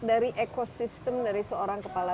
dari ekosistem dari seorang kepala